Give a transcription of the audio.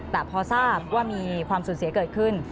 แต่พอทราบว่ามีความสูญเสียเกิดขึ้น